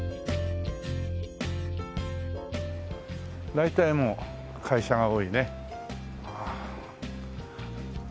大体もう会社が多いね。